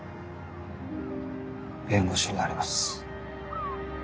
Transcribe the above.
弁護士になります。